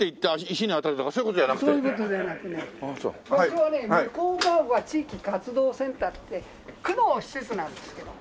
そこはね向丘地域活動センターって区の施設なんですけど。